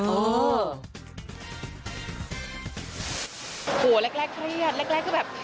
โอ้โฮแรกขยัดแรกคือแบบ